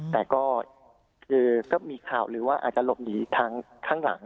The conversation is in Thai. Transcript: แต่ก็คือก็มีข่าวหรือว่าอาจจะหลบหนีทางข้างหลัง